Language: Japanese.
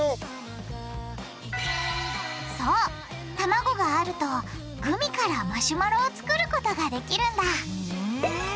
そう卵があるとグミからマシュマロを作ることができるんだふん。